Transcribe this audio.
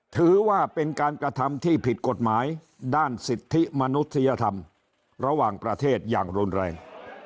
ถือว่าเป็นการกระทำที่ผิดกฎหมายด้านสิทธิมนุษยธรรมระหว่างประเทศอย่างรุนแรง